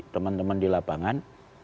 teman teman di lapangan